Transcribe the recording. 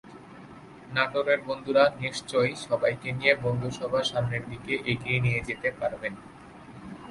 নাটোরের বন্ধুরা নিশ্চয় সবাইকে নিয়ে বন্ধুসভা সামনের দিকে এগিয়ে নিয়ে যেতে পারবেন।